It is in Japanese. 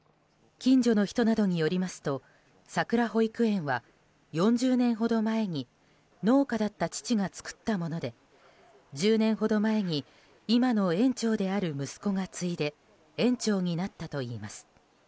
近所の人などによりますとさくら保育園は４０年ほど前に農家だった父が作ったもので１０年ほど前に今の園長である息子が継いで園長になったといいます。